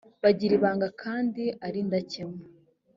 bagira ibanga kandi ari indakemwa